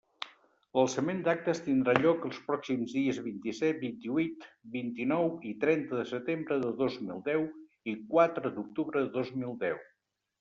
L'alçament d'actes tindrà lloc els pròxims dies vint-i-set, vint-i-huit, vint-i-nou i trenta de setembre de dos mil deu i quatre d'octubre de dos mil deu.